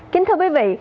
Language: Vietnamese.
kính thưa quý vị